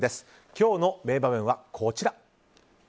今日の名場面は、こちら。